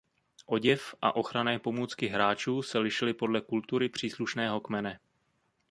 Oděv a ochranné pomůcky hráčů se lišily podle kultury příslušného kmene.